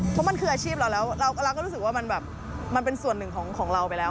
เพราะมันคืออาชีพเราแล้วเราก็รู้สึกว่ามันแบบมันเป็นส่วนหนึ่งของเราไปแล้ว